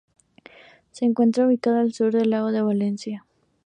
Se encuentra ubicada al sur del Lago de Valencia.